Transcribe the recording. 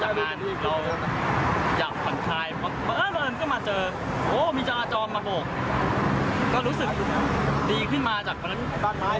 จากงานเราอยากมาเจอโอ้มีจารจรมาโบกก็รู้สึกดีขึ้นมากขึ้นมากขึ้นมากขึ้นมาก